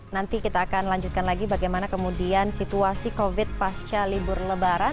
nanti kita akan lanjutkan lagi bagaimana kemudian situasi covid pasca libur lebaran